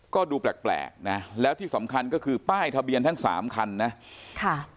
ก็ดูแปลกนะแล้วที่สำคัญก็คือป้ายทะเบียนทั้งสามคันนะค่ะ